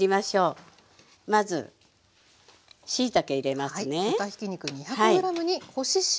まずしいたけ入れますね。